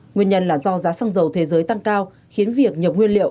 nguyên nhân là do giá xăng dầu thế giới tăng cao khiến việc nhập nguyên liệu